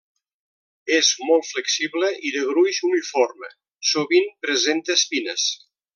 És molt flexible i de gruix uniforme, sovint presenta espines.